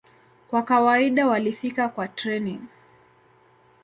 Kwa kawaida walifika kwa treni.